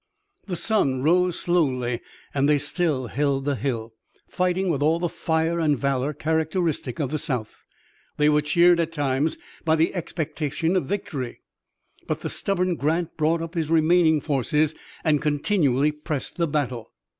The sun rose slowly and they still held the hill, fighting with all the fire and valor characteristic of the South. They were cheered at times by the expectation of victory, but the stubborn Grant brought up his remaining forces and continually pressed the battle.